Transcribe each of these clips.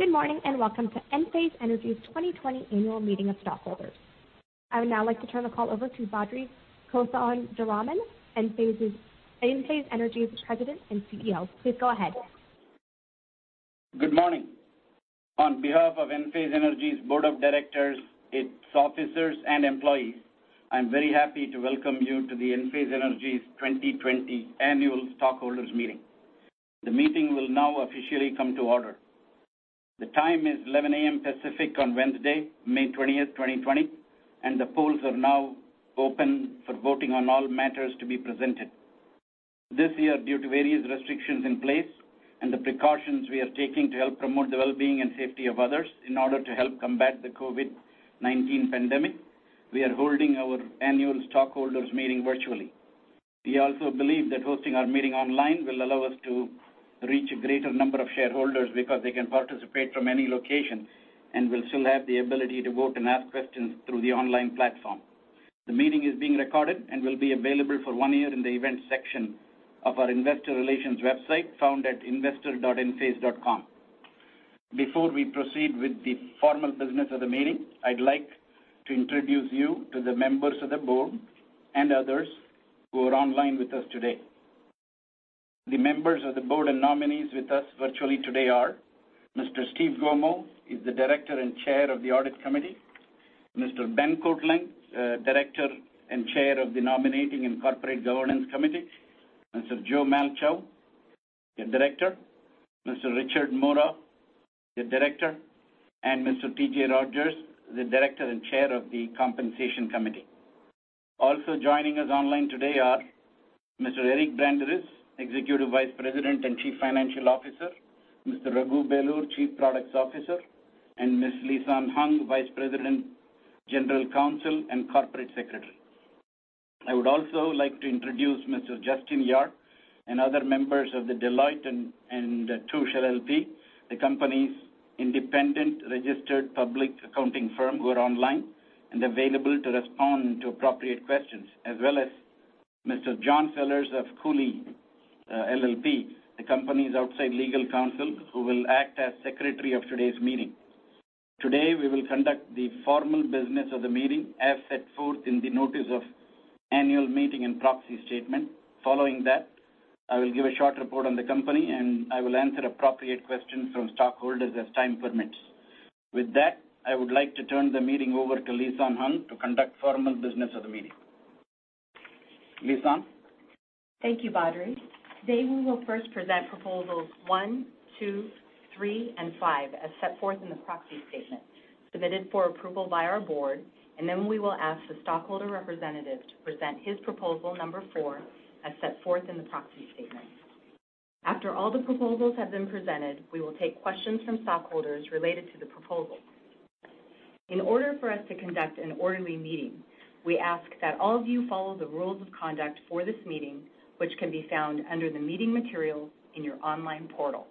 Good morning, welcome to Enphase Energy's 2020 annual meeting of stockholders. I would now like to turn the call over to Badri Kothandaraman, Enphase Energy's President and CEO. Please go ahead. Good morning. On behalf of Enphase Energy's board of directors, its officers, and employees, I'm very happy to welcome you to the Enphase Energy 2020 annual stockholders meeting. The meeting will now officially come to order. The time is 11:00 A.M. Pacific on Wednesday, May 20th, 2020, and the polls are now open for voting on all matters to be presented. This year, due to various restrictions in place and the precautions we are taking to help promote the well-being and safety of others in order to help combat the COVID-19 pandemic, we are holding our annual stockholders meeting virtually. We also believe that hosting our meeting online will allow us to reach a greater number of shareholders because they can participate from any location and will still have the ability to vote and ask questions through the online platform. The meeting is being recorded and will be available for one year in the events section of our investor relations website, found at investor.enphase.com. Before we proceed with the formal business of the meeting, I'd like to introduce you to the members of the board and others who are online with us today. The members of the board and nominees with us virtually today are Mr. Steven Gomo is the director and chair of the audit committee, Mr. Benjamin Kortlang, director and chair of the nominating and corporate governance committee, Mr. Joseph Malchow, the director, Mr. Richard Mora, the director, and Mr. TJ Rodgers, the director and chair of the compensation committee. Also joining us online today are Mr. Eric Branderiz, Executive Vice President and Chief Financial Officer, Mr. Raghu Belur, Chief Products Officer, and Ms. Lisan Hung, Vice President, General Counsel, and Corporate Secretary. I would also like to introduce Mr. Justin Yahr and other members of the Deloitte & Touche LLP, the company's independent registered public accounting firm, who are online and available to respond to appropriate questions, as well as Mr. John Fellers of Cooley LLP, the company's outside legal counsel, who will act as secretary of today's meeting. Today, we will conduct the formal business of the meeting as set forth in the notice of annual meeting and proxy statement. Following that, I will give a short report on the company, and I will answer appropriate questions from stockholders as time permits. With that, I would like to turn the meeting over to Lisan Hung to conduct formal business of the meeting. Lisan? Thank you, Badri. Today, we will first present proposals one, two, three, and five as set forth in the proxy statement submitted for approval by our board, and then we will ask the stockholder representative to present his proposal number four, as set forth in the proxy statement. After all the proposals have been presented, we will take questions from stockholders related to the proposals. In order for us to conduct an orderly meeting, we ask that all of you follow the rules of conduct for this meeting, which can be found under the meeting materials in your online portal.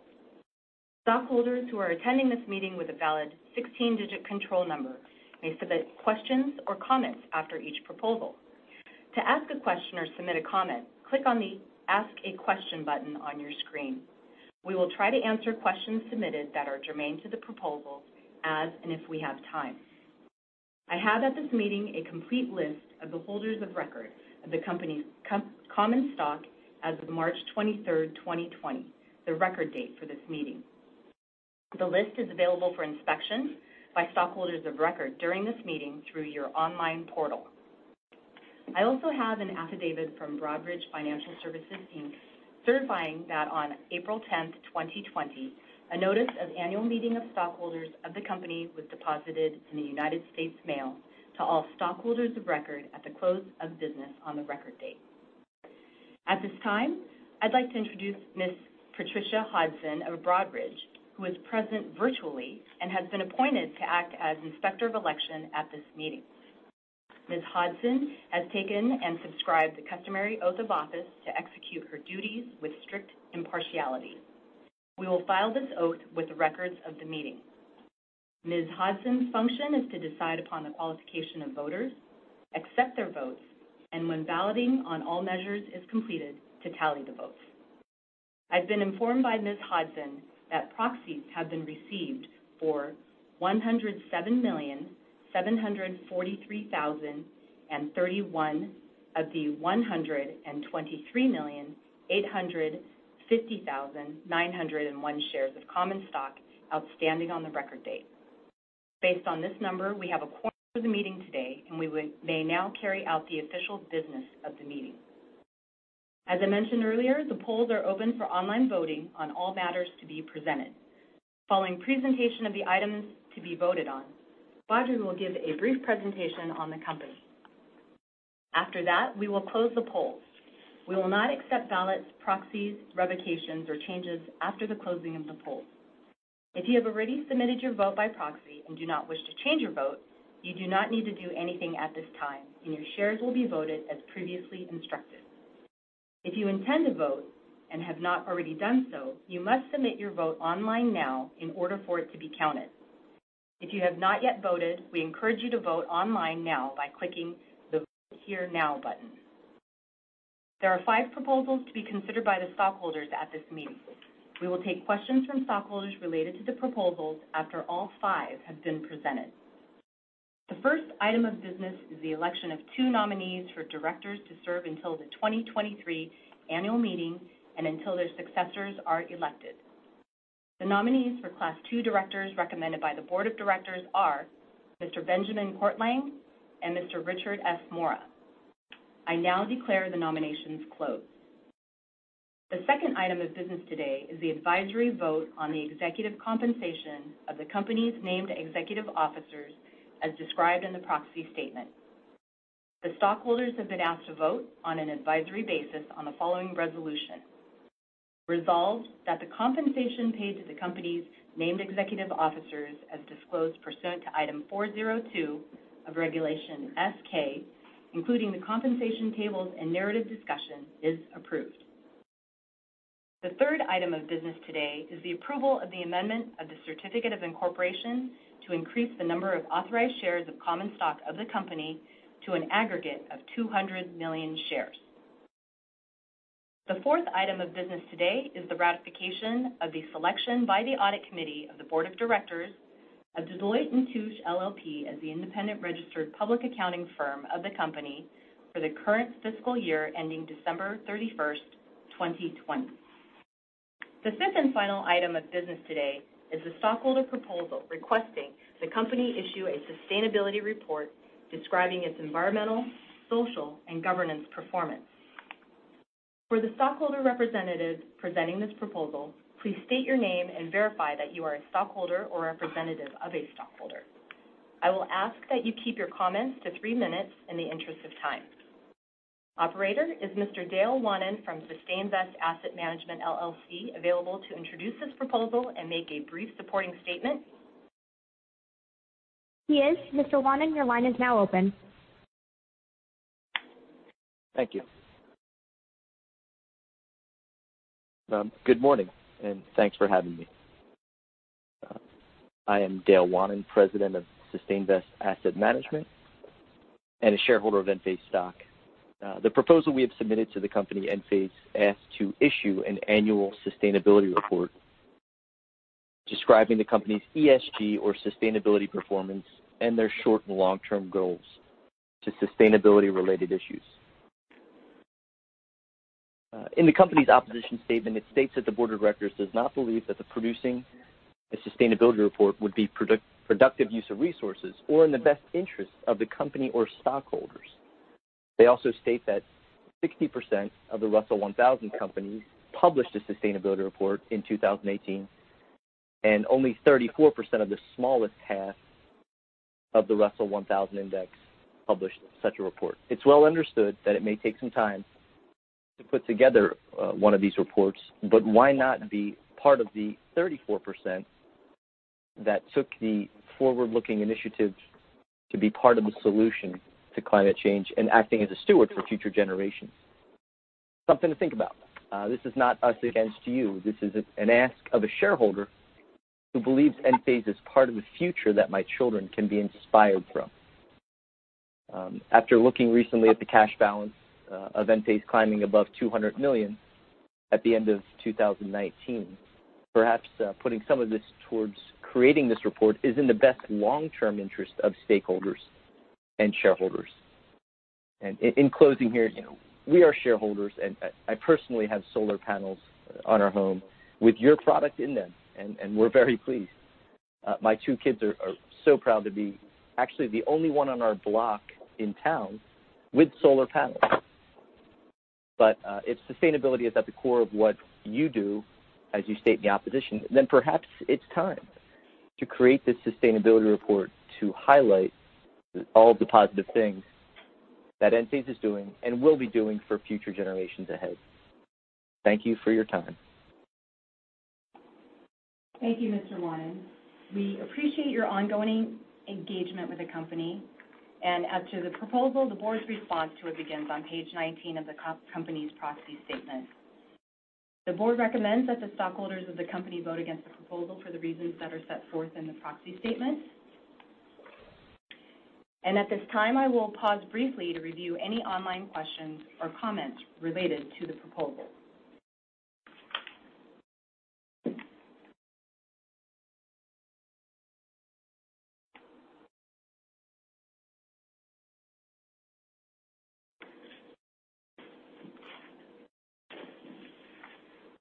Stockholders who are attending this meeting with a valid 16-digit control number may submit questions or comments after each proposal. To ask a question or submit a comment, click on the Ask a Question button on your screen. We will try to answer questions submitted that are germane to the proposals as and if we have time. I have at this meeting a complete list of the holders of record of the company's common stock as of March 23rd, 2020, the record date for this meeting. The list is available for inspection by stockholders of record during this meeting through your online portal. I also have an affidavit from Broadridge Financial Solutions, Inc., certifying that on April 10th, 2020, a notice of annual meeting of stockholders of the company was deposited in the United States mail to all stockholders of record at the close of business on the record date. At this time, I'd like to introduce Ms. Patricia Hudson of Broadridge, who is present virtually and has been appointed to act as Inspector of Election at this meeting. Ms. Hudson has taken and subscribed the customary oath of office to execute her duties with strict impartiality. We will file this oath with the records of the meeting. Ms. Hudson's function is to decide upon the qualification of voters, accept their votes, and when balloting on all measures is completed, to tally the votes. I've been informed by Ms. Hudson that proxies have been received for 107,743,031 of the 123,850,901 shares of common stock outstanding on the record date. Based on this number, we have a quorum for the meeting today, and we may now carry out the official business of the meeting. As I mentioned earlier, the polls are open for online voting on all matters to be presented. Following presentation of the items to be voted on, Badri will give a brief presentation on the company. After that, we will close the polls. We will not accept ballots, proxies, revocations, or changes after the closing of the polls. If you have already submitted your vote by proxy and do not wish to change your vote, you do not need to do anything at this time, and your shares will be voted as previously instructed. If you intend to vote and have not already done so, you must submit your vote online now in order for it to be counted. If you have not yet voted, we encourage you to vote online now by clicking the Vote Here Now button. There are five proposals to be considered by the stockholders at this meeting. We will take questions from stockholders related to the proposals after all five have been presented. The first item of business is the election of two nominees for directors to serve until the 2023 annual meeting and until their successors are elected. The nominees for Class 2 directors recommended by the board of directors are Mr. Benjamin Kortlang and Mr. Richard S. Mora. I now declare the nominations closed. The second item of business today is the advisory vote on the executive compensation of the company's named executive officers as described in the proxy statement. The stockholders have been asked to vote on an advisory basis on the following resolution. Resolved that the compensation paid to the company's named executive officers as disclosed pursuant to Item 402 of Regulation S-K, including the compensation tables and narrative discussion, is approved. The third item of business today is the approval of the amendment of the Certificate of Incorporation to increase the number of authorized shares of common stock of the company to an aggregate of 200 million shares. The fourth item of business today is the ratification of the selection by the audit committee of the board of directors of Deloitte & Touche LLP as the independent registered public accounting firm of the company for the current fiscal year ending December 31st, 2020. The fifth and final item of business today is the stockholder proposal requesting the company issue a sustainability report describing its environmental, social, and governance performance. For the stockholder representative presenting this proposal, please state your name and verify that you are a stockholder or representative of a stockholder. I will ask that you keep your comments to three minutes in the interest of time. Operator, is Mr. Dale Wannen from SustainVest Asset Management LLC available to introduce this proposal and make a brief supporting statement? He is. Mr. Wannen, your line is now open. Thank you. Good morning, and thanks for having me. I am Dale Wannen, president of SustainVest Asset Management and a shareholder of Enphase stock. The proposal we have submitted to the company Enphase asks to issue an annual sustainability report describing the company's ESG or sustainability performance and their short and long-term goals to sustainability-related issues. In the company's opposition statement, it states that the board of directors does not believe that producing a sustainability report would be productive use of resources or in the best interest of the company or stockholders. They also state that 60% of the Russell 1000 companies published a sustainability report in 2018, and only 34% of the smallest half of the Russell 1000 Index published such a report. It's well understood that it may take some time to put together one of these reports, why not be part of the 34% that took the forward-looking initiative to be part of the solution to climate change and acting as a steward for future generations? Something to think about. This is not us against you. This is an ask of a shareholder who believes Enphase is part of a future that my children can be inspired from. After looking recently at the cash balance of Enphase climbing above $200 million at the end of 2019, perhaps putting some of this towards creating this report is in the best long-term interest of stakeholders and shareholders. In closing here, we are shareholders, and I personally have solar panels on our home with your product in them, and we're very pleased. My two kids are so proud to be actually the only one on our block in town with solar panels. If sustainability is at the core of what you do, as you state in the opposition, then perhaps it's time to create this sustainability report to highlight all of the positive things that Enphase is doing and will be doing for future generations ahead. Thank you for your time. Thank you, Mr. Wannen. We appreciate your ongoing engagement with the company. As to the proposal, the board's response to it begins on page 19 of the company's proxy statement. The board recommends that the stockholders of the company vote against the proposal for the reasons that are set forth in the proxy statement. At this time, I will pause briefly to review any online questions or comments related to the proposal.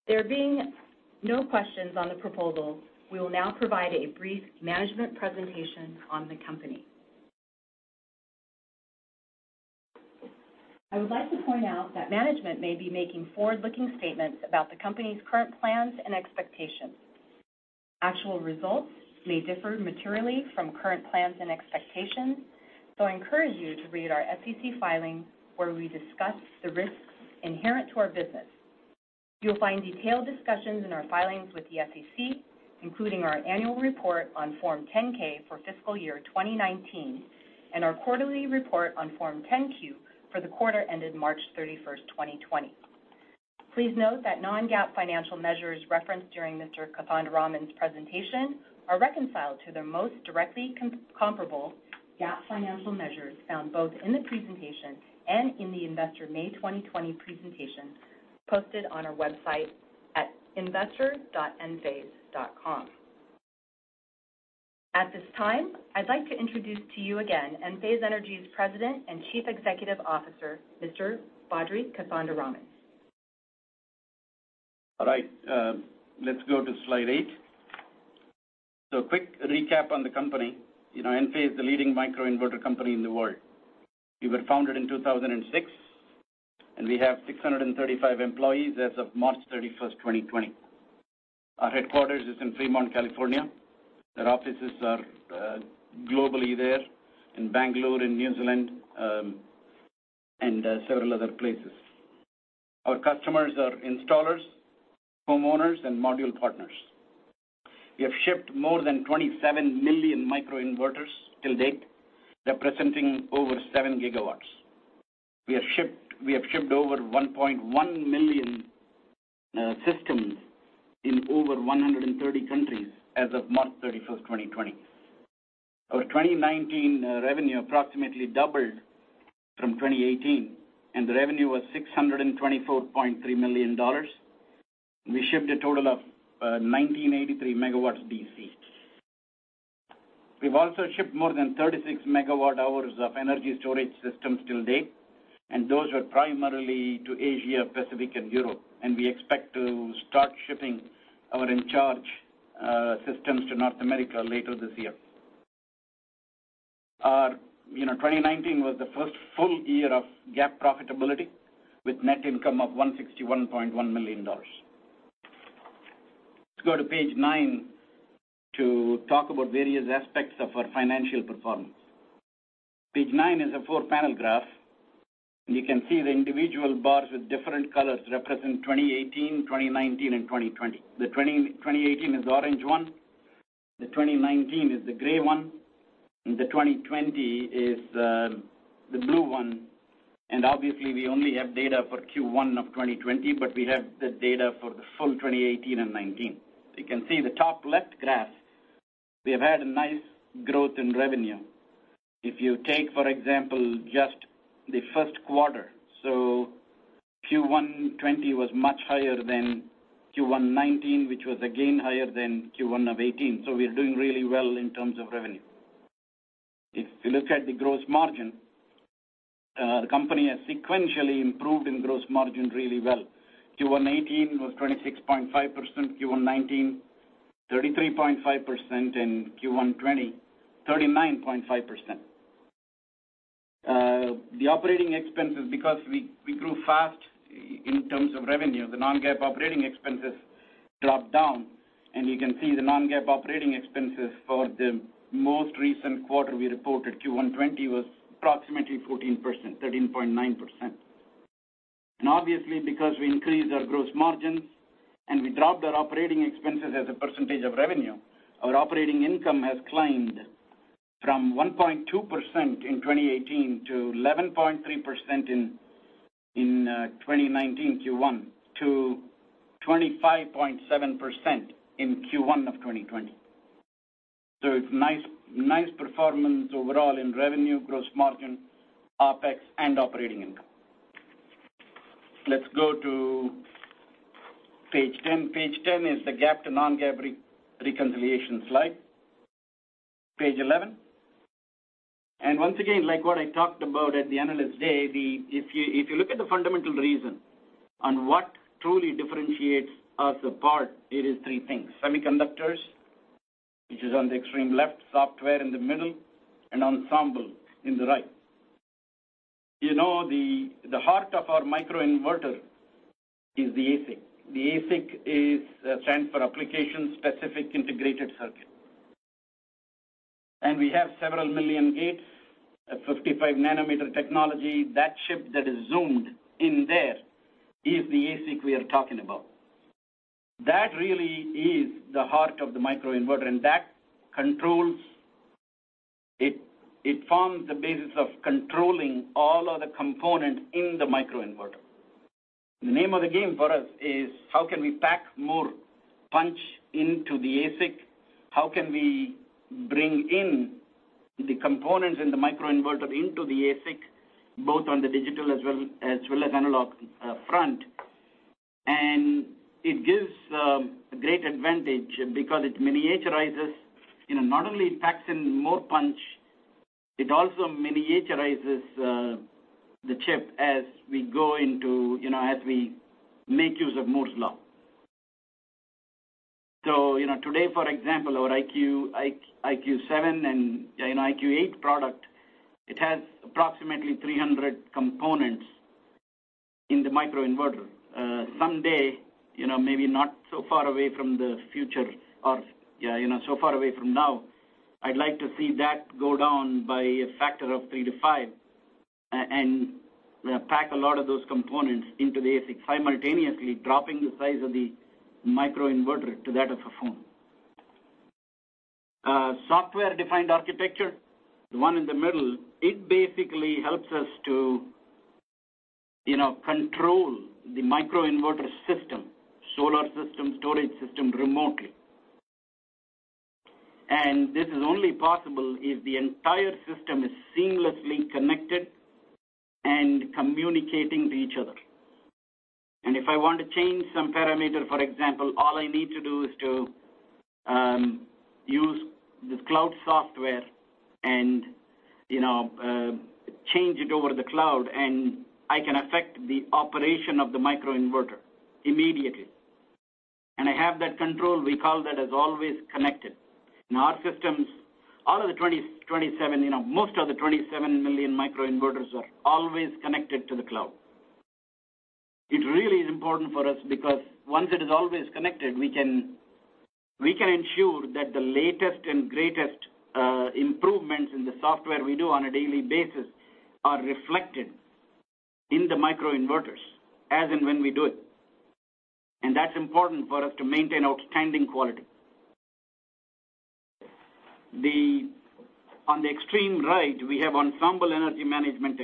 There being no questions on the proposal, we will now provide a brief management presentation on the company. I would like to point out that management may be making forward-looking statements about the company's current plans and expectations. Actual results may differ materially from current plans and expectations, so I encourage you to read our SEC filings where we discuss the risks inherent to our business. You'll find detailed discussions in our filings with the SEC, including our annual report on Form 10-K for fiscal year 2019 and our quarterly report on Form 10-Q for the quarter ended March 31st, 2020. Please note that non-GAAP financial measures referenced during Mr. Kothandaraman's presentation are reconciled to their most directly comparable GAAP financial measures found both in the presentation and in the investor May 2020 presentation posted on our website at investor.enphase.com. At this time, I'd like to introduce to you again, Enphase Energy's President and Chief Executive Officer, Mr. Badri Kothandaraman. All right. Let's go to slide eight. So quick recap on the company. Enphase is the leading microinverter company in the world. We were founded in 2006, and we have 635 employees as of March 31st, 2020. Our headquarters is in Fremont, California. Our offices are globally there, in Bangalore, in New Zealand, and several other places. Our customers are installers, homeowners, and module partners. We have shipped more than 27 million microinverters till date, representing over seven gigawatts. We have shipped over 1.1 million systems in over 130 countries as of March 31st, 2020. Our 2019 revenue approximately doubled from 2018, and the revenue was $624.3 million. We shipped a total of 1,983 MW DC. We've also shipped more than 36 megawatt hours of energy storage systems till date, and those are primarily to Asia, Pacific, and Europe, and we expect to start shipping our Encharge systems to North America later this year. 2019 was the first full year of GAAP profitability, with net income of $161.1 million. Let's go to page nine to talk about various aspects of our financial performance. Page nine is a four-panel graph. You can see the individual bars with different colors represent 2018, 2019, and 2020. The 2018 is the orange one, the 2019 is the gray one, and the 2020 is the blue one. Obviously, we only have data for Q1 of 2020, but we have the data for the full 2018 and 2019. You can see the top left graph. We have had a nice growth in revenue. If you take, for example, just the first quarter. Q1 2020 was much higher than Q1 2019, which was, again, higher than Q1 of 2018. We're doing really well in terms of revenue. If you look at the gross margin, the company has sequentially improved in gross margin really well. Q1 2018 was 26.5%, Q1 2019, 33.5%, and Q1 2020, 39.5%. The operating expenses, because we grew fast in terms of revenue, the non-GAAP operating expenses dropped down, and you can see the non-GAAP operating expenses for the most recent quarter we reported, Q1 2020, was approximately 14%, 13.9%. Obviously, because we increased our gross margins and we dropped our operating expenses as a percentage of revenue, our operating income has climbed from 1.2% in 2018 to 11.3% in 2019, Q1, to 25.7% in Q1 of 2020. It's nice performance overall in revenue, gross margin, OpEx, and operating income. Let's go to page 10. Page 10 is the GAAP to non-GAAP reconciliation slide. Page 11. Once again, like what I talked about at the analyst day, if you look at the fundamental reason on what truly differentiates us apart, it is three things. Semiconductors, which is on the extreme left, software in the middle, and Ensemble in the right. The heart of our microinverter is the ASIC. The ASIC stands for application-specific integrated circuit. We have several million gates at 55 nanometer technology. That chip that is zoomed in there is the ASIC we are talking about. That really is the heart of the microinverter. It forms the basis of controlling all other components in the microinverter. The name of the game for us is how can we pack more punch into the ASIC? How can we bring in the components in the microinverter into the ASIC, both on the digital as well as analog front? It gives a great advantage because it miniaturizes. Not only it packs in more punch, it also miniaturizes the chip as we make use of Moore's Law. Today, for example, our IQ7 and IQ8 product, it has approximately 300 components in the microinverter. Someday, maybe not so far away from the future or so far away from now, I'd like to see that go down by a factor of three to five and pack a lot of those components into the ASIC, simultaneously dropping the size of the microinverter to that of a phone. Software-defined architecture, the one in the middle, it basically helps us to control the microinverter system, solar system, storage system, remotely. This is only possible if the entire system is seamlessly connected and communicating to each other. If I want to change some parameter, for example, all I need to do is to use this cloud software and change it over the cloud, and I can affect the operation of the microinverter immediately. I have that control, we call that as always connected. In our systems, most of the 27 million microinverters are always connected to the cloud. It really is important for us because once it is always connected, we can ensure that the latest and greatest improvements in the software we do on a daily basis are reflected in the microinverters as and when we do it. That's important for us to maintain outstanding quality. On the extreme right, we have Ensemble energy management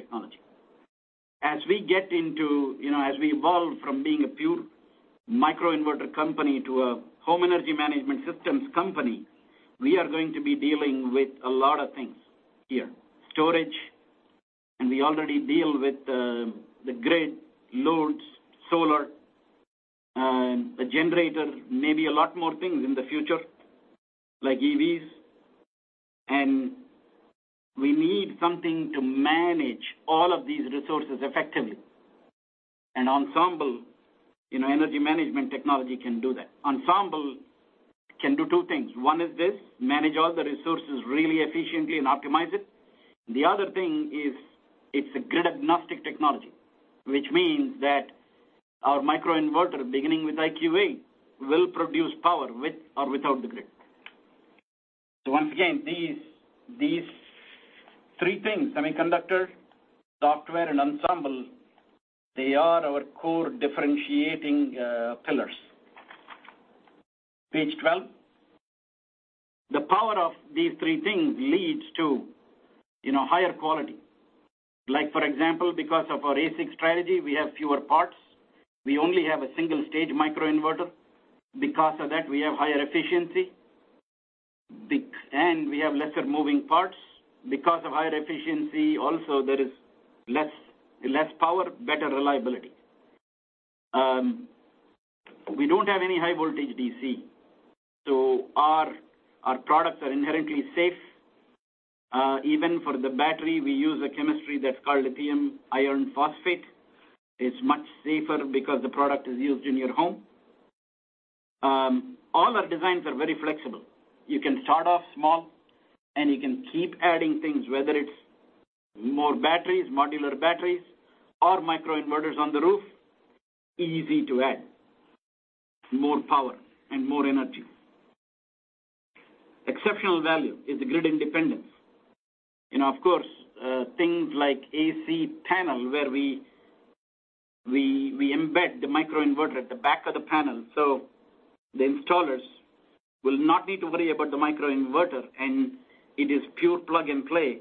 technology. As we evolve from being a pure microinverter company to a home energy management systems company, we are going to be dealing with a lot of things here. Storage, and we already deal with the grid loads, solar, the generator, maybe a lot more things in the future, like EVs. We need something to manage all of these resources effectively. Ensemble energy management technology can do that. Ensemble can do two things. One is this, manage all the resources really efficiently and optimize it. The other thing is it's a grid-agnostic technology. Which means that our microinverter, beginning with IQ8, will produce power with or without the grid. Once again, these three things, semiconductor, software, and Ensemble, they are our core differentiating pillars. Page 12. The power of these three things leads to higher quality. Like for example, because of our ASIC strategy, we have fewer parts. We only have a 1-stage microinverter. Because of that, we have higher efficiency. We have lesser moving parts. Because of higher efficiency also, there is less power, better reliability. We don't have any high voltage DC. Our products are inherently safe. Even for the battery, we use a chemistry that's called lithium iron phosphate. It's much safer because the product is used in your home. All our designs are very flexible. You can start off small, you can keep adding things, whether it's more batteries, modular batteries, or microinverters on the roof, easy to add more power and more energy. Exceptional value is the grid independence. Of course, things like AC panel where we embed the microinverter at the back of the panel. The installers will not need to worry about the microinverter, it is pure plug-and-play.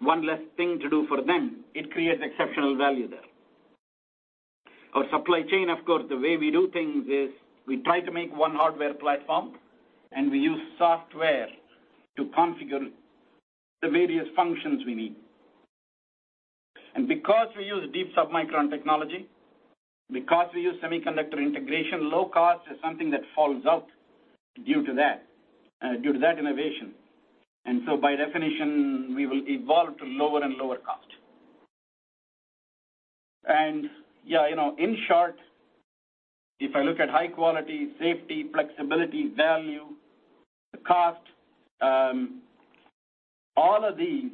One less thing to do for them. It creates exceptional value there. Our supply chain, of course, the way we do things is we try to make one hardware platform, we use software to configure the various functions we need. Because we use deep submicron technology, because we use semiconductor integration, low cost is something that falls out due to that innovation. By definition, we will evolve to lower and lower cost. Yeah. In short, if I look at high quality, safety, flexibility, value, the cost, all of these,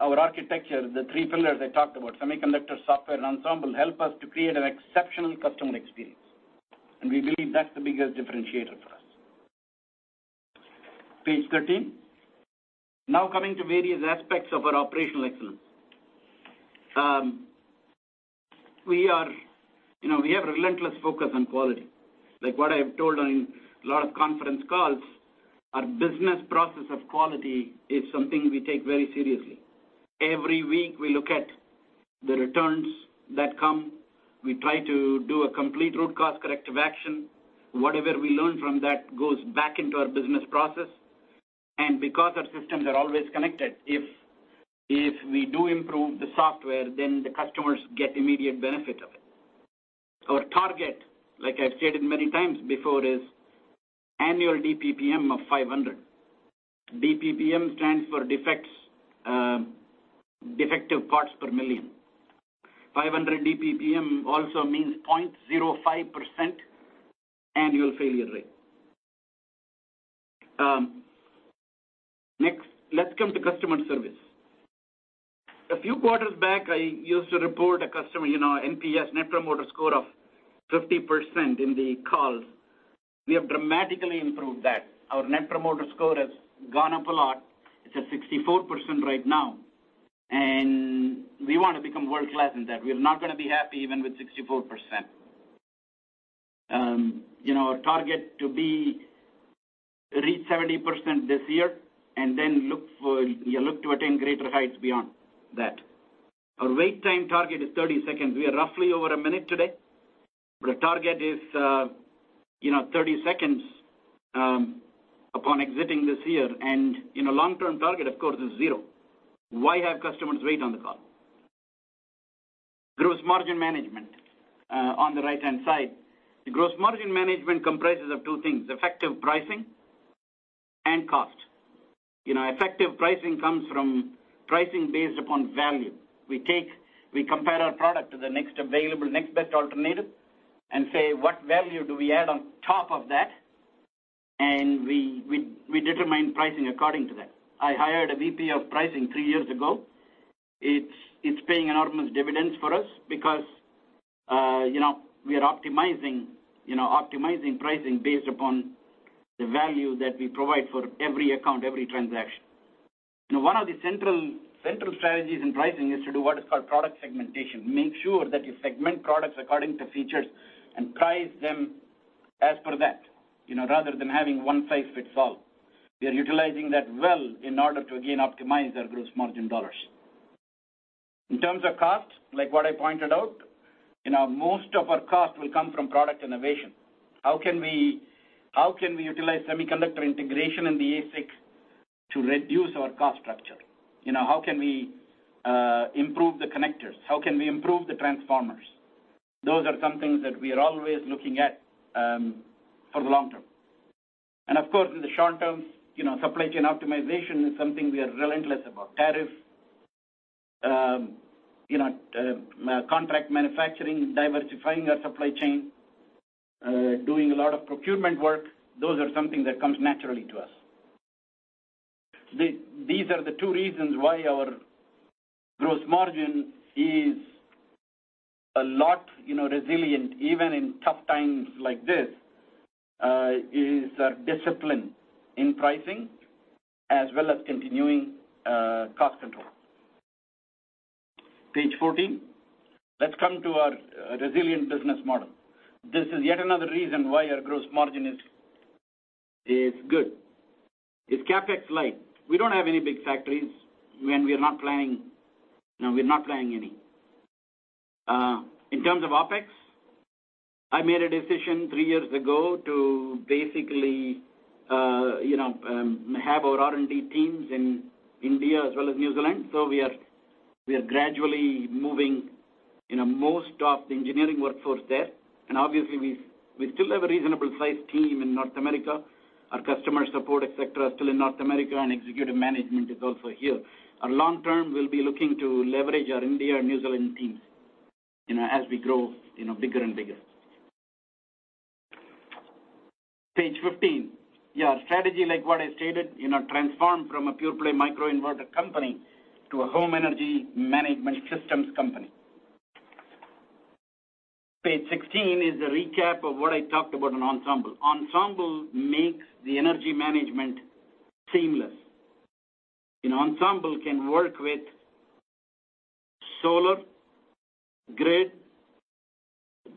our architecture, the three pillars I talked about, semiconductor, software, and Ensemble, help us to create an exceptional customer experience. We believe that's the biggest differentiator for us. Page 13. Now coming to various aspects of our operational excellence. We have relentless focus on quality. Like what I've told on a lot of conference calls, our business process of quality is something we take very seriously. Every week, we look at the returns that come. We try to do a complete root cause corrective action. Whatever we learn from that goes back into our business process. Because our systems are always connected, if we do improve the software, then the customers get immediate benefit of it. Our target, like I've stated many times before, is annual DPPM of 500. DPPM stands for defective parts per million. 500 DPPM also means 0.05% annual failure rate. Let's come to customer service. A few quarters back, I used to report a customer NPS, net promoter score, of 50% in the calls. We have dramatically improved that. Our net promoter score has gone up a lot. It's at 64% right now, and we want to become world-class in that. We're not going to be happy even with 64%. Our target to be reach 70% this year and then you look to attain greater heights beyond that. Our wait time target is 30 seconds. We are roughly over a minute today, but the target is 30 seconds upon exiting this year. Long-term target, of course, is zero. Why have customers wait on the call? Gross margin management, on the right-hand side. The gross margin management comprises of two things, effective pricing and cost. Effective pricing comes from pricing based upon value. We compare our product to the next available, next best alternative, and say, "What value do we add on top of that?" We determine pricing according to that. I hired a VP of pricing three years ago. It's paying enormous dividends for us because we are optimizing pricing based upon the value that we provide for every account, every transaction. One of the central strategies in pricing is to do what is called product segmentation. Make sure that you segment products according to features and price them as per that, rather than having one-size-fits-all. We are utilizing that well in order to, again, optimize our gross margin dollars. In terms of cost, like what I pointed out, most of our cost will come from product innovation. How can we utilize semiconductor integration in the ASIC to reduce our cost structure? How can we improve the connectors? How can we improve the transformers? Those are some things that we are always looking at for the long term. Of course, in the short term, supply chain optimization is something we are relentless about. Tariff, contract manufacturing, diversifying our supply chain, doing a lot of procurement work, those are something that comes naturally to us. These are the two reasons why our gross margin is a lot resilient, even in tough times like this, is our discipline in pricing, as well as continuing cost control. Page 14. Let's come to our resilient business model. This is yet another reason why our gross margin is good. It's CapEx-light. We don't have any big factories, and we're not planning any. In terms of OpEx, I made a decision three years ago to basically, have our R&D teams in India as well as New Zealand. We are gradually moving, most of the engineering workforce there. Obviously, we still have a reasonably sized team in North America. Our customer support, et cetera, are still in North America, and executive management is also here. Our long-term, we'll be looking to leverage our India and New Zealand teams, as we grow bigger and bigger. Page 15. Strategy like what I stated, transform from a pure-play microinverter company to a home energy management systems company. Page 16 is a recap of what I talked about on Ensemble. Ensemble makes the energy management seamless. An Ensemble can work with solar, grid,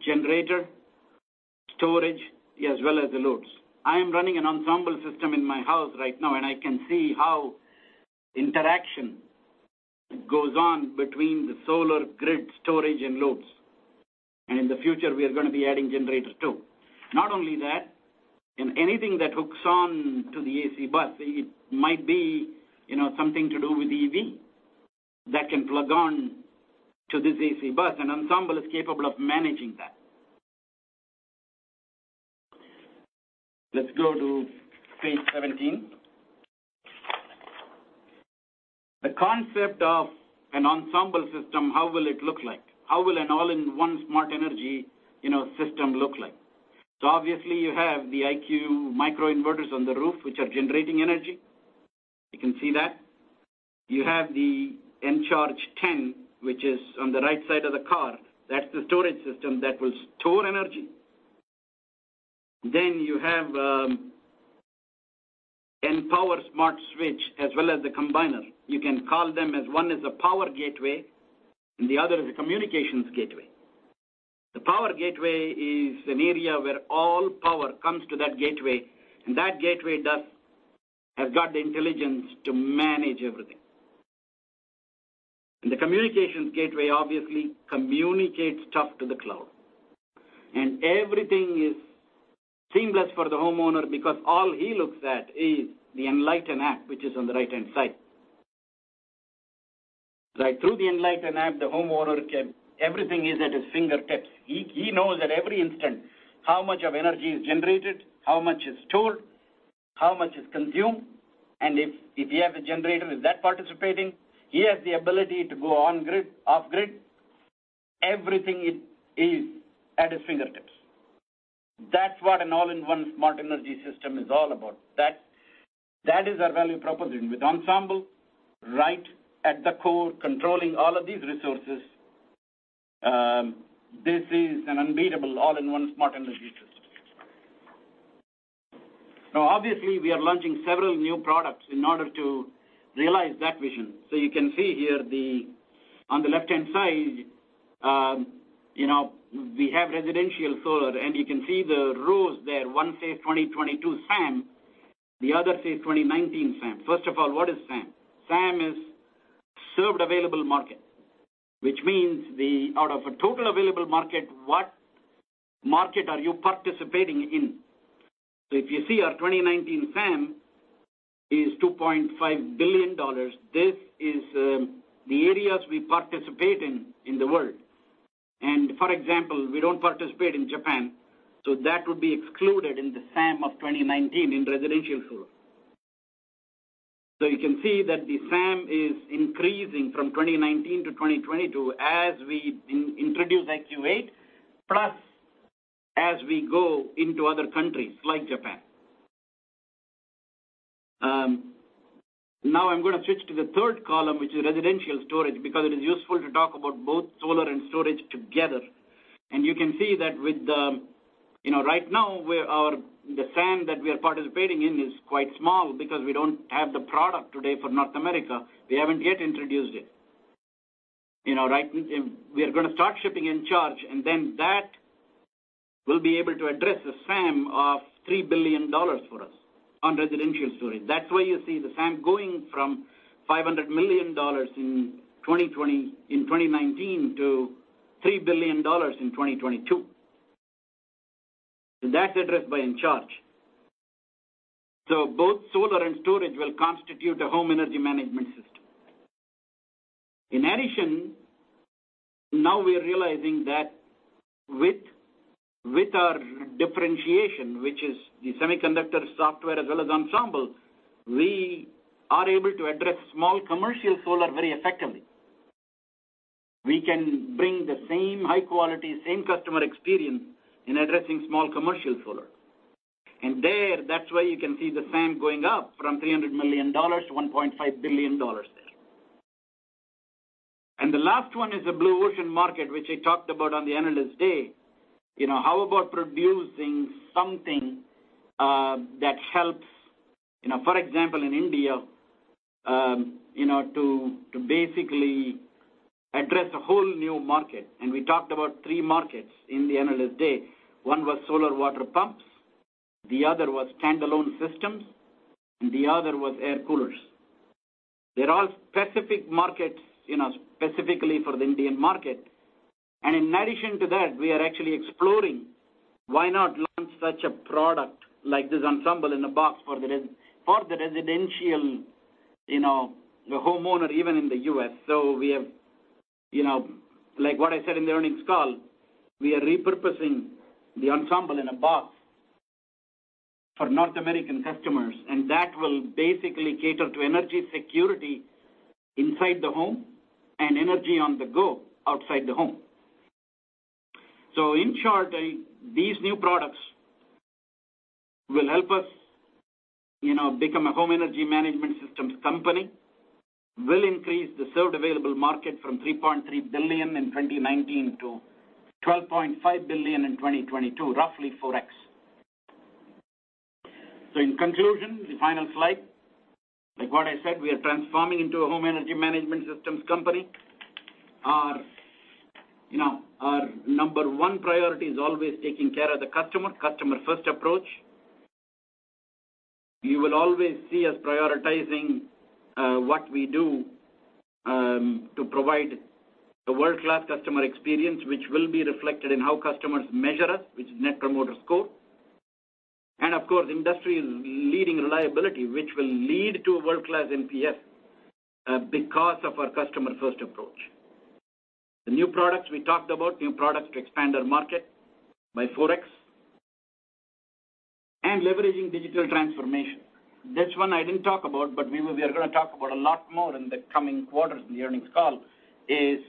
generator, storage, as well as the loads. I am running an Ensemble system in my house right now, and I can see how interaction goes on between the solar, grid, storage, and loads. In the future, we are going to be adding generators, too. Not only that, in anything that hooks on to the AC bus, it might be something to do with EV that can plug on to this AC bus. Ensemble is capable of managing that. Let's go to page 17. The concept of an Ensemble system, how will it look like? How will an all-in-one smart energy system look like? Obviously, you have the IQ microinverters on the roof, which are generating energy. You can see that. You have the Encharge 10, which is on the right side of the car. That's the storage system that will store energy. You have Enpower Smart Switch as well as the combiner. You can call them as one is a power gateway, the other is a communications gateway. The power gateway is an area where all power comes to that gateway. That gateway has got the intelligence to manage everything. The communications gateway obviously communicates stuff to the cloud. Everything is seamless for the homeowner because all he looks at is the Enlighten app, which is on the right-hand side. Through the Enlighten app, the homeowner can--. Everything is at his fingertips. He knows at every instant how much of energy is generated, how much is stored, how much is consumed, and if you have a generator, is that participating? He has the ability to go on grid, off grid. Everything is at his fingertips. That's what an all-in-one smart energy system is all about. That is our value proposition. With Ensemble right at the core, controlling all of these resources, this is an unbeatable all-in-one smart energy system. Obviously, we are launching several new products in order to realize that vision. You can see here, on the left-hand side, we have residential solar, and you can see the rows there. One says 2022 SAM, the other says 2019 SAM. First of all, what is SAM? SAM is Served Available Market, which means out of a total available market, what market are you participating in? If you see our 2019 SAM is $2.5 billion. This is the areas we participate in the world. For example, we don't participate in Japan, so that would be excluded in the SAM of 2019 in residential solar. You can see that the SAM is increasing from 2019 to 2022 as we introduce IQ8, plus as we go into other countries like Japan. I'm going to switch to the third column, which is residential storage, because it is useful to talk about both solar and storage together. You can see that right now, the SAM that we are participating in is quite small because we don't have the product today for North America. We haven't yet introduced it. We are going to start shipping Encharge, that will be able to address the SAM of $3 billion for us on residential storage. That's why you see the SAM going from $500 million in 2019 to $3 billion in 2022. That's addressed by Encharge. Both solar and storage will constitute a home energy management system. In addition, now we are realizing that with our differentiation, which is the semiconductor software as well as Ensemble, we are able to address small commercial solar very effectively. We can bring the same high quality, same customer experience in addressing small commercial solar. There, that's why you can see the SAM going up from $300 million to $1.5 billion there. The last one is the blue ocean market, which I talked about on the Analyst Day. How about producing something that helps, for example, in India, to basically address a whole new market? We talked about three markets in the Analyst Day. One was solar water pumps, the other was standalone systems, and the other was air coolers. They're all specific markets, specifically for the Indian market. In addition to that, we are actually exploring why not launch such a product like this Ensemble in a box for the residential, the homeowner even in the U.S. We have, like what I said in the earnings call, we are repurposing the Ensemble in a box for North American customers, and that will basically cater to energy security inside the home and energy on the go outside the home. Encharge, these new products will help us become a home energy management systems company, will increase the served available market from $3.3 billion in 2019 to $12.5 billion in 2022, roughly 4x. In conclusion, the final slide. Like what I said, we are transforming into a home energy management systems company. Our number one priority is always taking care of the customer-first approach. You will always see us prioritizing what we do, to provide a world-class customer experience, which will be reflected in how customers measure us, which is net promoter score. Of course, industry-leading reliability, which will lead to a world-class NPS, because of our customer-first approach. The new products we talked about, new products to expand our market by 4x. Leveraging digital transformation. This one I didn't talk about, but we are going to talk about a lot more in the coming quarters in the earnings call, is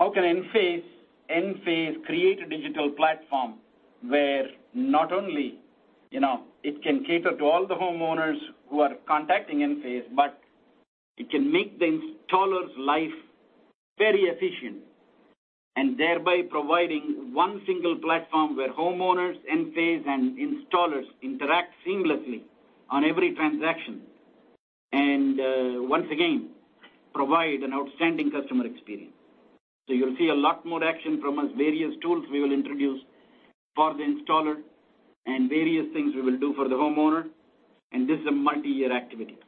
how can Enphase create a digital platform where not only it can cater to all the homeowners who are contacting Enphase, but it can make the installer's life very efficient, and thereby providing one single platform where homeowners, Enphase, and installers interact seamlessly on every transaction. Once again, provide an outstanding customer experience. You'll see a lot more action from us, various tools we will introduce for the installer, and various things we will do for the homeowner, and this is a multi-year activity.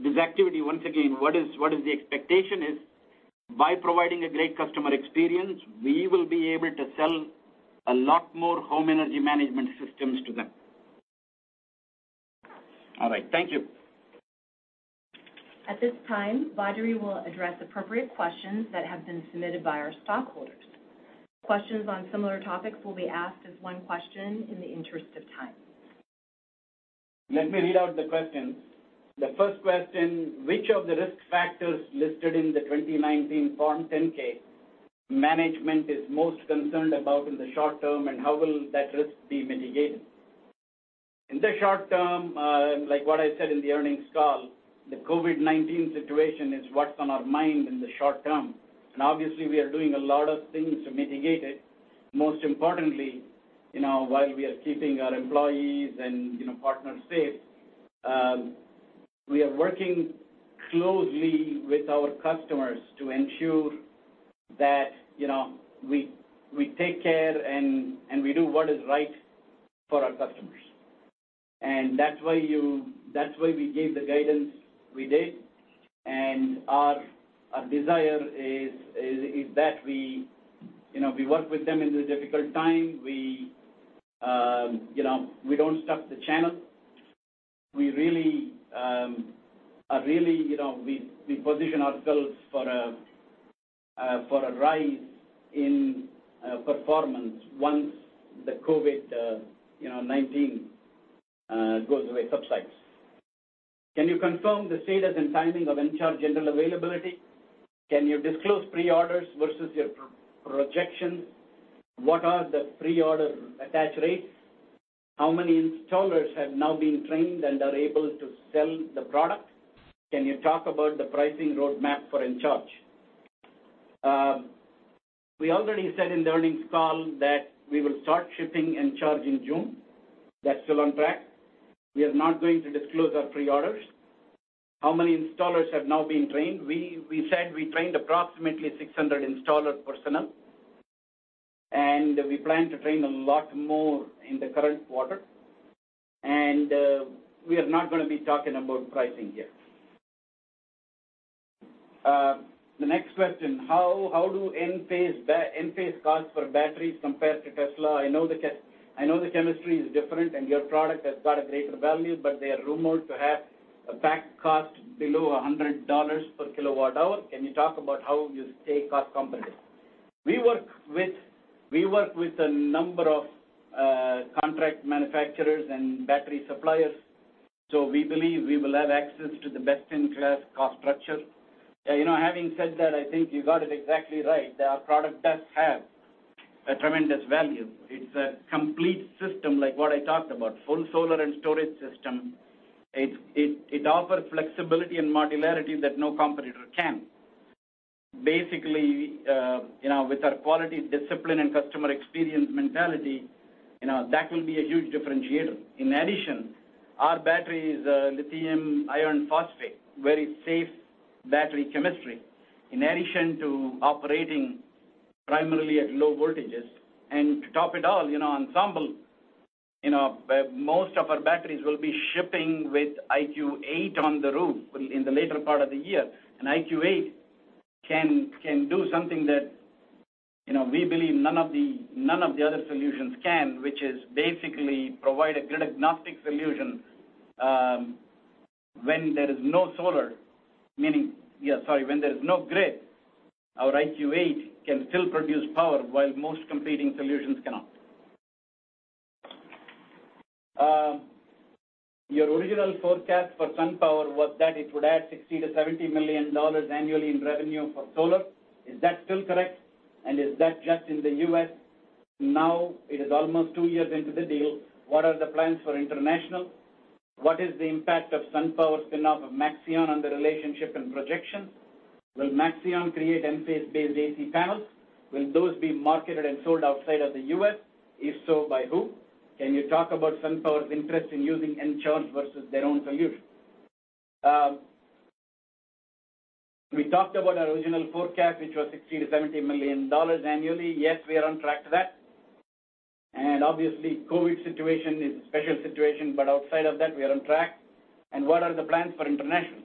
This activity, once again, what is the expectation is, by providing a great customer experience, we will be able to sell a lot more home energy management systems to them. All right. Thank you. At this time, Badri will address appropriate questions that have been submitted by our stockholders. Questions on similar topics will be asked as one question in the interest of time. Let me read out the questions. The first question: Which of the risk factors listed in the 2019 Form 10-K management is most concerned about in the short term, and how will that risk be mitigated? In the short term, like what I said in the earnings call, the COVID-19 situation is what's on our mind in the short term. Obviously, we are doing a lot of things to mitigate it. Most importantly, while we are keeping our employees and partners safe, we are working closely with our customers to ensure that we take care, and we do what is right for our customers. That's why we gave the guidance we did, and our desire is that we work with them in the difficult time. We don't stop the channel. We position ourselves for a rise in performance once the COVID-19 goes away, subsides. Can you confirm the status and timing of Encharge general availability? Can you disclose pre-orders versus your projections? What are the pre-order attach rates? How many installers have now been trained and are able to sell the product? Can you talk about the pricing roadmap for Encharge? We already said in the earnings call that we will start shipping Encharge in June. That's still on track. We are not going to disclose our pre-orders. How many installers have now been trained? We said we trained approximately 600 installer personnel, and we plan to train a lot more in the current quarter. We are not going to be talking about pricing yet. The next question, how do Enphase cost for batteries compare to Tesla? I know the chemistry is different, and your product has got a greater value, but they are rumored to have a pack cost below $100 per kilowatt hour. Can you talk about how you stay cost competitive? We work with a number of contract manufacturers and battery suppliers, so we believe we will have access to the best-in-class cost structure. Having said that, I think you got it exactly right, that our product does have a tremendous value. It's a complete system like what I talked about, full solar and storage system. It offers flexibility and modularity that no competitor can. Basically, with our quality, discipline, and customer experience mentality, that will be a huge differentiator. In addition, our battery is a lithium iron phosphate, very safe battery chemistry, in addition to operating primarily at low voltages. To top it all, Ensemble, most of our batteries will be shipping with IQ8 on the roof in the later part of the year. IQ8 can do something that we believe none of the other solutions can, which is basically provide a grid-agnostic solution when there is no grid, our IQ8 can still produce power while most competing solutions cannot. Your original forecast for SunPower was that it would add $60 million-$70 million annually in revenue for solar. Is that still correct? Is that just in the U.S. now? It is almost two years into the deal. What are the plans for international? What is the impact of SunPower spin off of Maxeon on the relationship and projection? Will Maxeon create Enphase-based AC panels? Will those be marketed and sold outside of the U.S.? If so, by who? Can you talk about SunPower's interest in using Encharge versus their own solution? We talked about our original forecast, which was $60 million-$70 million annually. Yes, we are on track to that. Obviously COVID situation is a special situation. Outside of that, we are on track. What are the plans for international?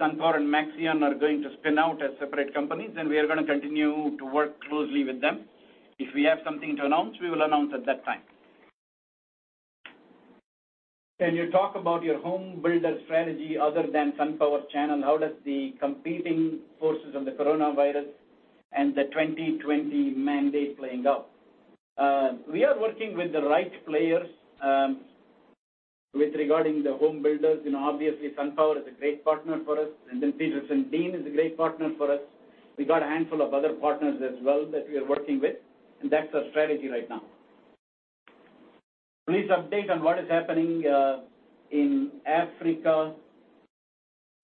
SunPower and Maxeon are going to spin out as separate companies, and we are going to continue to work closely with them. If we have something to announce, we will announce at that time. Can you talk about your home builder strategy other than SunPower channel? How does the competing forces of the coronavirus and the 2020 mandate playing out? We are working with the right players with regarding the home builders. Obviously, SunPower is a great partner for us, and then PetersenDean is a great partner for us. We got a handful of other partners as well that we are working with, and that's our strategy right now. Please update on what is happening in Africa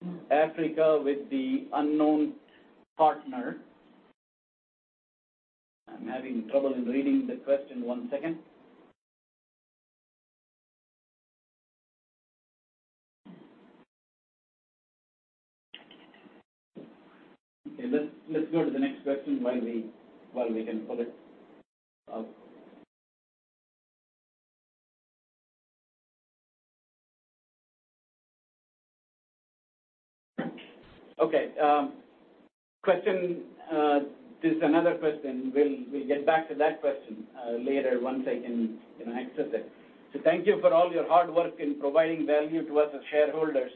with the unknown partner. I'm having trouble in reading the question. One second. Okay, let's go to the next question while we can pull it up. Okay. This is another question. We'll get back to that question later once I can access it. Thank you for all your hard work in providing value to us as shareholders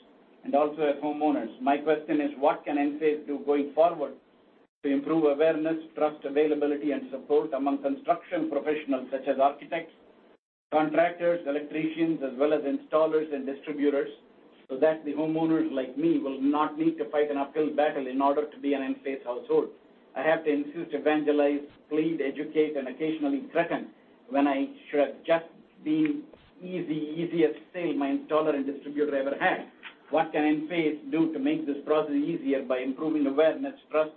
and also as homeowners. My question is, what can Enphase do going forward to improve awareness, trust, availability, and support among construction professionals such as architects, contractors, electricians, as well as installers and distributors? That the homeowners like me will not need to fight an uphill battle in order to be an Enphase household. I have to insist, evangelize, plead, educate, and occasionally threaten when I should have just been easy, easiest sale my installer and distributor ever had. What can Enphase do to make this process easier by improving awareness, trust,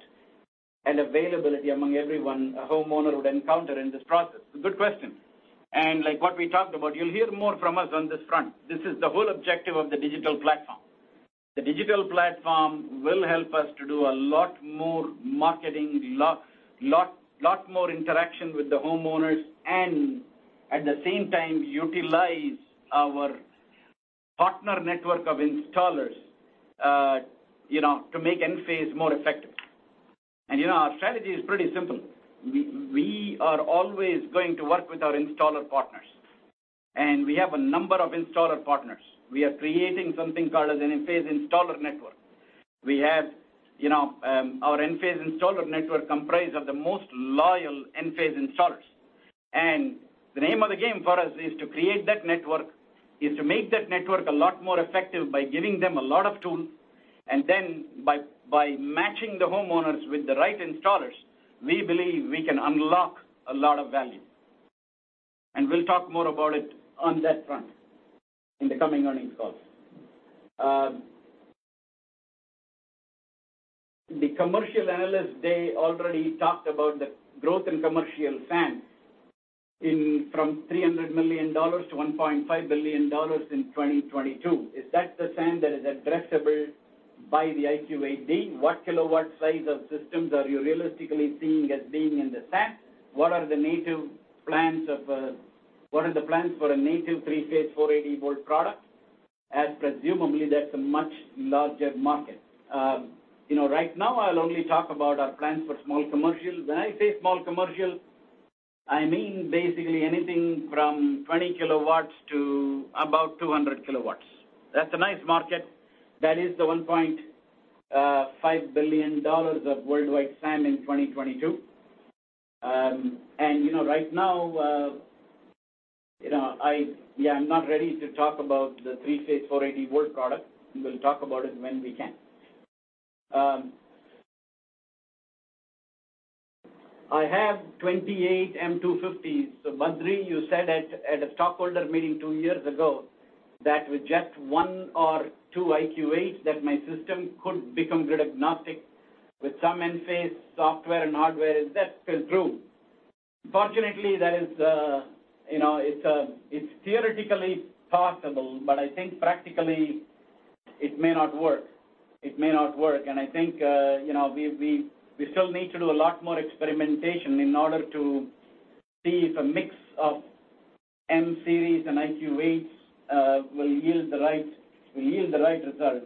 and availability among everyone a homeowner would encounter in this process? Good question. Like what we talked about, you'll hear more from us on this front. This is the whole objective of the digital platform. The digital platform will help us to do lot more marketing, lot more interaction with the homeowners, and at the same time, utilize our partner network of installers, to make Enphase more effective. Our strategy is pretty simple. We are always going to work with our installer partners. We have a number of installer partners. We are creating something called an Enphase Installer Network. We have our Enphase Installer Network comprised of the most loyal Enphase installers. The name of the game for us is to create that network, is to make that network a lot more effective by giving them a lot of tools, then by matching the homeowners with the right installers, we believe we can unlock a lot of value. We'll talk more about it on that front in the coming earnings calls. The commercial Analyst Day already talked about the growth in commercial SAM from $300 million to $1.5 billion in 2022. Is that the SAM that is addressable by the IQ8D? What kilowatt size of systems are you realistically seeing as being in the SAM? What are the plans for a native three-phase, 480-volt product? Presumably, that's a much larger market. Right now, I'll only talk about our plans for small commercial. When I say small commercial, I mean basically anything from 20 kilowatts to about 200 kilowatts. That's a nice market. That is the $1.5 billion of worldwide SAM in 2022. Right now, I'm not ready to talk about the three-phase, 480-volt product. We will talk about it when we can. I have 28 M250s. Badri, you said at a stockholder meeting two years ago, that with just one or two IQ8s, that my system could become grid-agnostic with some Enphase software and hardware. Is that still true? Unfortunately, it's theoretically possible, but I think practically, it may not work. I think, we still need to do a lot more experimentation in order to see if a mix of M series and IQ8s will yield the right result.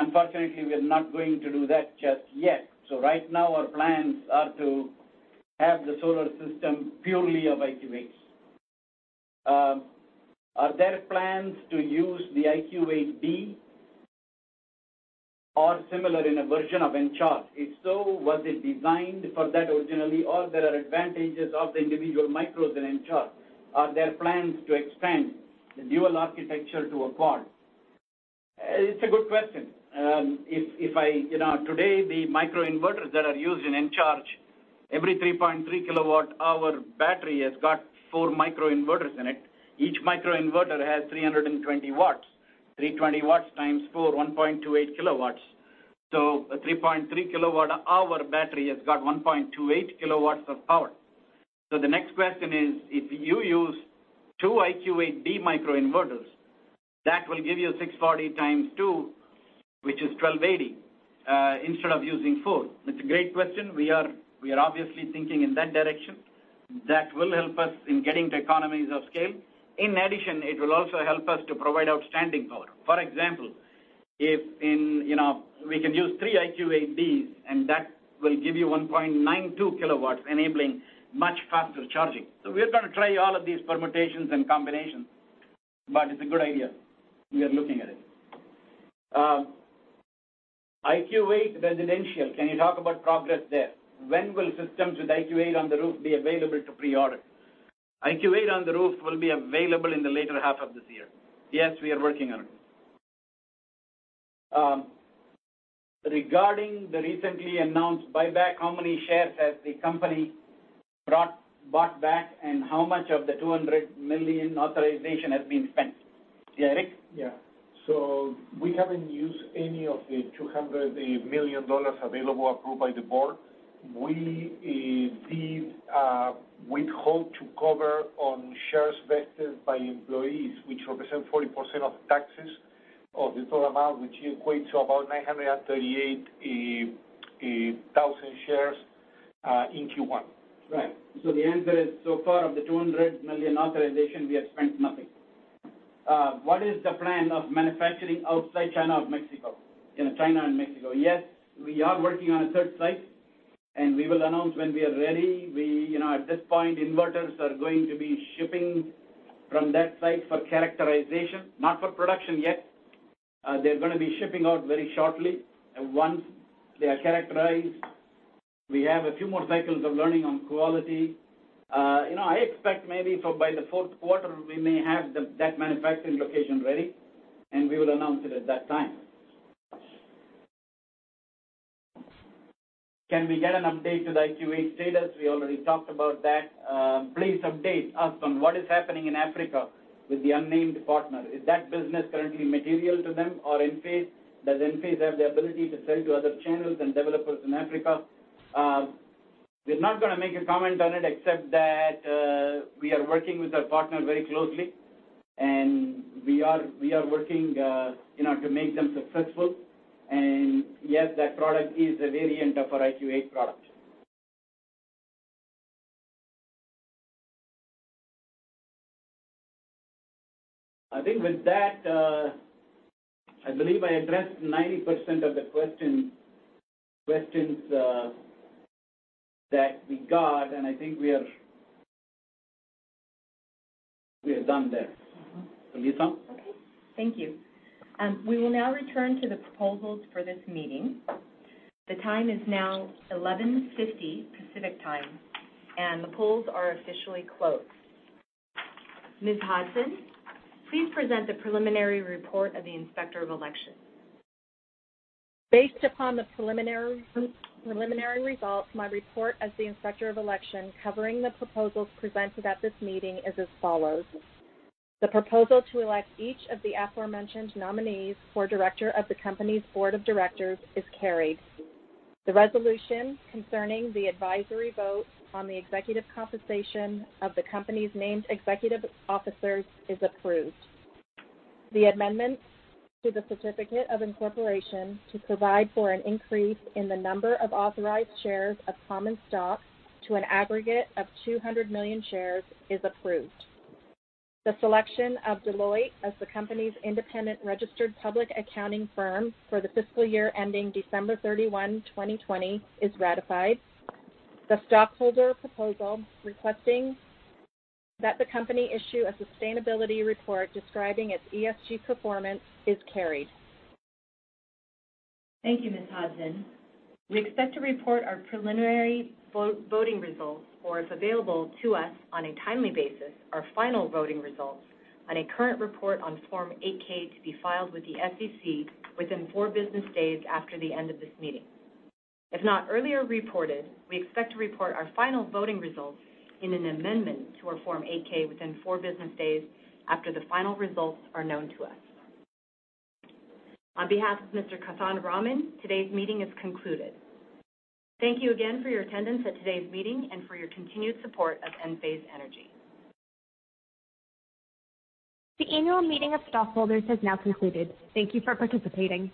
Unfortunately, we're not going to do that just yet. Right now, our plans are to have the solar system purely of IQ8s. Are there plans to use the IQ8D or similar in a version of Encharge? If so, was it designed for that originally, or there are advantages of the individual micros in Encharge? Are there plans to expand the dual architecture to a quad? It's a good question. Today, the microinverters that are used in Encharge, every 3.3 kWh battery has got four microinverters in it. Each microinverter has 320 W. 320 W times four, 1.28 kW. A 3.3 kWh battery has got 1.28 kW of power. The next question is, if you use two IQ8D microinverters, that will give you 640 times two, which is 1,280, instead of using four. It's a great question. We are obviously thinking in that direction. That will help us in getting the economies of scale. In addition, it will also help us to provide outstanding power. For example, if we can use three IQ8Ds, and that will give you 1.92 kilowatts, enabling much faster charging. We're going to try all of these permutations and combinations, but it's a good idea. We are looking at it. IQ8 residential, can you talk about progress there? When will systems with IQ8 on the roof be available to pre-order? IQ8 on the roof will be available in the later half of this year. We are working on it. Regarding the recently announced buyback, how many shares has the company bought back, and how much of the $200 million authorization has been spent? Eric? Yeah. We haven't used any of the $200 million available approved by the board. We hope to cover on shares vested by employees, which represent 40% of taxes of the total amount, which equates to about 938,000 shares, in Q1. Right. The answer is, so far of the $200 million authorization, we have spent nothing. What is the plan of manufacturing outside China and Mexico? In China and Mexico. Yes, we are working on a third site. We will announce when we are ready. At this point, inverters are going to be shipping from that site for characterization, not for production yet. They're going to be shipping out very shortly. Once they are characterized. We have a few more cycles of learning on quality. I expect maybe by the fourth quarter, we may have that manufacturing location ready. We will announce it at that time. "Can we get an update to the IQ8 status?" We already talked about that. "Please update us on what is happening in Africa with the unnamed partner. Is that business currently material to them or Enphase? Does Enphase have the ability to sell to other channels and developers in Africa?" We're not going to make a comment on it except that we are working with our partner very closely, and we are working to make them successful. Yes, that product is a variant of our IQ8 product. I think with that, I believe I addressed 90% of the questions that we got, and I think we are done there. Lisan? Thank you. We will now return to the proposals for this meeting. The time is now 11:50 Pacific Time, and the polls are officially closed. Ms. Hudson, please present the preliminary report of the Inspector of Election. Based upon the preliminary results, my report as the Inspector of Election covering the proposals presented at this meeting is as follows. The proposal to elect each of the aforementioned nominees for director of the company's board of directors is carried. The resolution concerning the advisory vote on the executive compensation of the company's named executive officers is approved. The amendment to the certificate of incorporation to provide for an increase in the number of authorized shares of common stock to an aggregate of 200 million shares is approved. The selection of Deloitte as the company's independent registered public accounting firm for the fiscal year ending December 31, 2020, is ratified. The stockholder proposal requesting that the company issue a sustainability report describing its ESG performance is carried. Thank you, Ms. Hudson. We expect to report our preliminary voting results, or if available to us on a timely basis, our final voting results on a current report on Form 8-K to be filed with the SEC within four business days after the end of this meeting. If not earlier reported, we expect to report our final voting results in an amendment to our Form 8-K within four business days after the final results are known to us. On behalf of Mr. Kothandaraman, today's meeting is concluded. Thank you again for your attendance at today's meeting and for your continued support of Enphase Energy. The annual meeting of stockholders has now concluded. Thank you for participating.